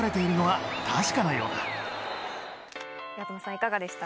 いかがでした？